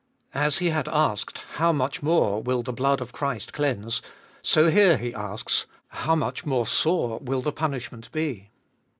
As he had asked " How much more will the blood of Christ cleanse ?" so here he asks, " How much more sore will the punishment be